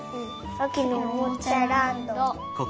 あきのおもちゃランド。